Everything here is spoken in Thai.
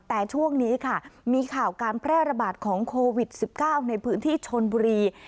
แต่ช่วงนี้ค่ะมีข่าวการแพร่ระบาดของโควิด๑๙ในพื้นที่ชนบุรี